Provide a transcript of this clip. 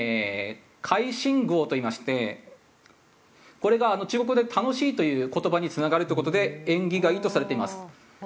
心果といいましてこれが中国語で「楽しい」という言葉につながるという事で縁起がいいとされています。